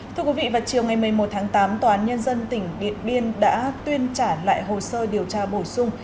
thưa quý vị vào chiều ngày một mươi một tháng tám tòa án nhân dân tỉnh điện biên đã tuyên trả lại hồ sơ điều tra bổ sung